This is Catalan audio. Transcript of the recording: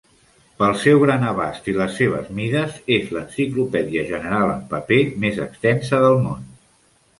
Pel seu gran abast i les seves mides, és l'enciclopèdia general en paper més extensa del món.